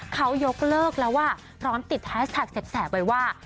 เขายกเลิกแล้วอ่ะพร้อมติดแฮชแท็กแสบไว้ว่า